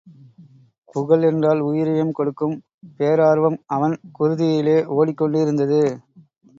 புகழ் என்றால் உயிரையும் கொடுக்கும் பேரார்வம் அவன் குருதியிலே ஓடிக் கொண்டிருந்தது.